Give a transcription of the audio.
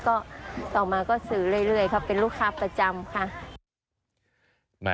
ก็ต่อมาก็ซื้อเรื่อยเขาเป็นลูกค้าประจำค่ะ